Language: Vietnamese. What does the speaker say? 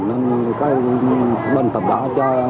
nên bệnh tập đã cho